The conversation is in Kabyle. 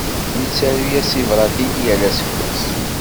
Yettaru-yas tibratin yal aseggas.